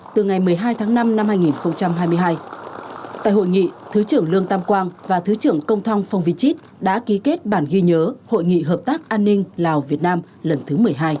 từ ngày một mươi hai tháng năm năm hai nghìn hai mươi hai tại hội nghị thứ trưởng lương tam quang và thứ trưởng công thong phong vy chít đã ký kết bản ghi nhớ hội nghị hợp tác an ninh lào việt nam lần thứ một mươi hai